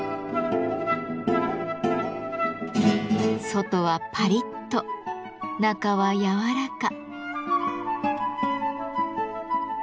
外はパリッと中はやわらか。